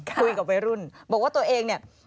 คุยกับวัยรุ่นบอกว่าตัวเองเนี่ย